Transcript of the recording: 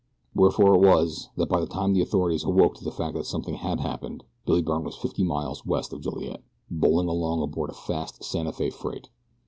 Wherefore it was that by the time the authorities awoke to the fact that something had happened Billy Byrne was fifty miles west of Joliet, bowling along aboard a fast Santa Fe freight.